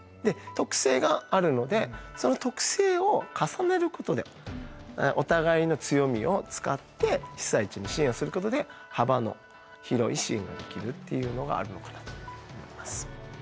特性があるのでその特性を重ねることでお互いの強みを使って被災地に支援をすることで幅の広い支援ができるっていうのがあるのかなと思います。